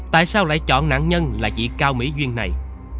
tại sao lại chọn nạn nhân là chị cao mỹ duyên này